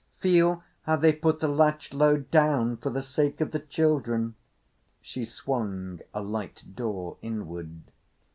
"Feel how they put the latch low down for the sake of the children." She swung a light door inward.